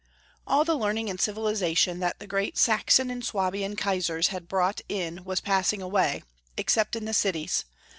All the learning and civilization that the great Saxon and Swabian Kaisars had brought in was passing away, except in the cities.